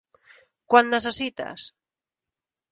Quant necessites?